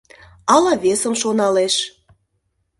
Ала весым шоналеш